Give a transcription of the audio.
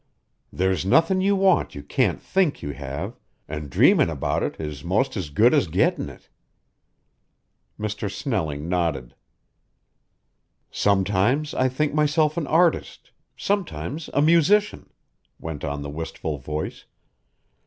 There's nothin' you want you can't think you have, an' dreamin' about it is 'most as good as gettin' it." Mr. Snelling nodded. "Sometimes I think myself an artist, sometimes a musician," went on the wistful voice.